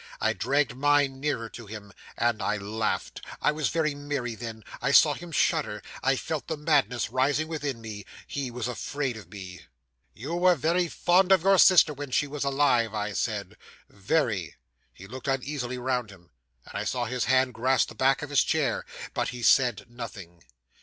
I dragged mine nearer to him; and I laughed I was very merry then I saw him shudder. I felt the madness rising within me. He was afraid of me. '"You were very fond of your sister when she was alive," I said. "Very." 'He looked uneasily round him, and I saw his hand grasp the back of his chair; but he said nothing.